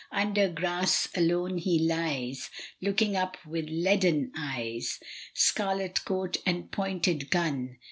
Under grass alone he lies, Looking up with leaden eyes; Scarlet coat and pointed gun.